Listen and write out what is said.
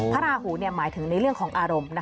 ราหูหมายถึงในเรื่องของอารมณ์